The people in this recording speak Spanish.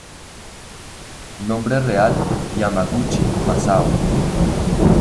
Nombre real: Yamaguchi Masao 山口真生.